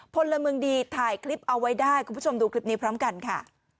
พลเมืองดีถ่ายคลิปเอาไว้ได้คุณผู้ชมดูคลิปนี้พร้อมกันค่ะ